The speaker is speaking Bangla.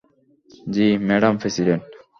জ্বি, ম্যাডাম প্রেসিডেন্ট।